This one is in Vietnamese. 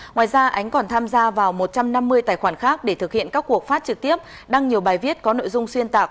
ngoài ra ánh còn tham gia vào một trăm năm mươi tài khoản khác để thực hiện các cuộc phát trực tiếp đăng nhiều bài viết có nội dung xuyên tạc